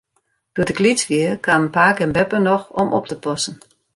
Doe't ik lyts wie, kamen pake en beppe noch om op te passen.